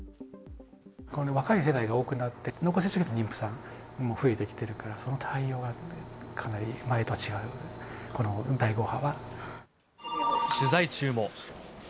若い世代が多くなって、濃厚接触者の妊婦さんも増えてきてるから、その対応がかなり前と取材中も。